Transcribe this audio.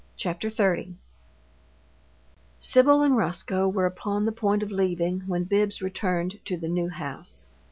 CHAPTER XXX Sibyl and Roscoe were upon the point of leaving when Bibbs returned to the New House.